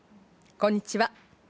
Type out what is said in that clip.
こんにちは。